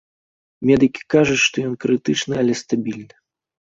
Медыкі кажуць, што ён крытычны, але стабільны.